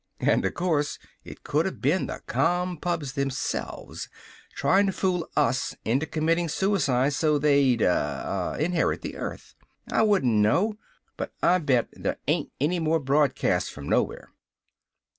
And o' course, it coulda been the Compubs themselves, trying to fool us into committing suicide so they'd uh inherit the earth. I wouldn't know! But I bet there ain't any more broadcasts from nowhere!"